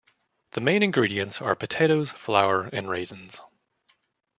The main ingredients are potatoes, flour and raisins.